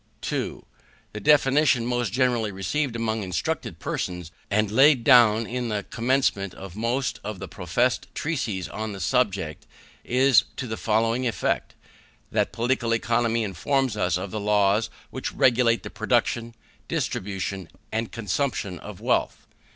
2. The definition most generally received among instructed persons, and laid down in the commencement of most of the professed treatises on the subject, is to the following effect: That Political Economy informs us of the laws which regulate the production, distribution, and consumption of wealth.